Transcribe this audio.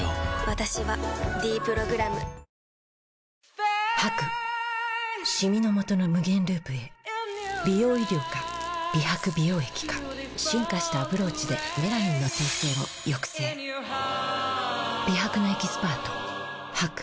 私は「ｄプログラム」シミのもとの無限ループへ美容医療か美白美容液か進化したアプローチでメラニンの生成を抑制美白のエキスパート